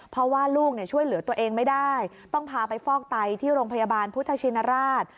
เพราะว่าลูกช่วยเหลือตัวเองไม่ได้ต้องพาไปฟอกไตที่โรงพยาบาลพุทธชินราช